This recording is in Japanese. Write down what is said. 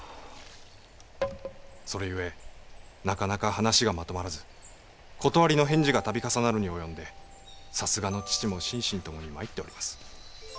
それ故なかなか話がまとまらず断りの返事が度重なるに及んでさすがの義父も心身ともに参っております。